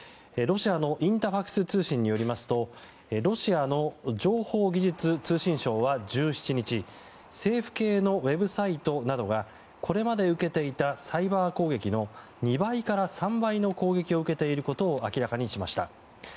ロシアのインタファクス通信によりますとロシアの情報技術・通信省は１７日政府系のウェブサイトなどがこれまで受けていたサイバー攻撃の２倍から３倍の攻撃を受けていることを明らかにしました。